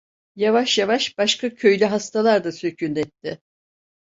Yavaş yavaş başka köylü hastalar da sökün etti.